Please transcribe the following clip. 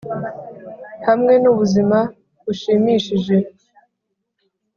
hamwe n'ubuzima bushimishije;